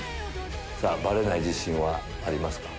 さぁバレない自信はありますか？